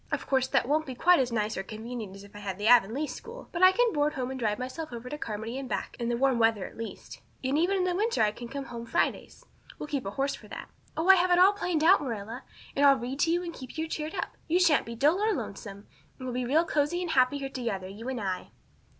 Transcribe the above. Of course that won't be quite as nice or convenient as if I had the Avonlea school. But I can board home and drive myself over to Carmody and back, in the warm weather at least. And even in winter I can come home Fridays. We'll keep a horse for that. Oh, I have it all planned out, Marilla. And I'll read to you and keep you cheered up. You sha'n't be dull or lonesome. And we'll be real cozy and happy here together, you and I."